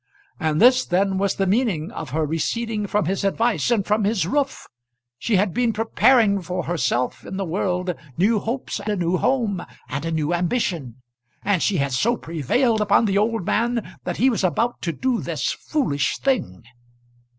And this then was the meaning of her receding from his advice and from his roof! She had been preparing for herself in the world new hopes, a new home, and a new ambition. And she had so prevailed upon the old man that he was about to do this foolish thing!